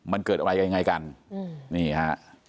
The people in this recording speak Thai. มันเกิดอะไรยังไงกันนี่ฮะ